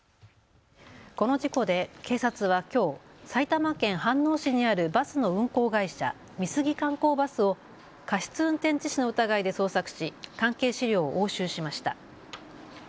この事故で警察はきょう埼玉県飯能市にあるバスの運行会社、美杉観光バスを過失運転致死の疑いで捜索し関係資料を押収しました。